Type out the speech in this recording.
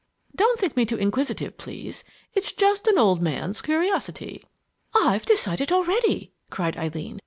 Don't think me too inquisitive please. It's just an old man's curiosity!" "I've decided already!" cried Eileen.